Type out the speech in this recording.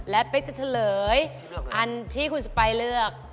และเป๊กจะเฉลยอันที่คุณสไปเลือก